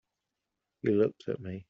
He looked at me.